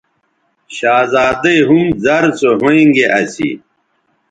شہزادی ھم زر سو ھوینگے اسی